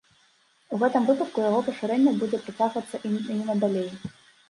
У гэтым выпадку яго пашырэнне будзе працягвацца і надалей.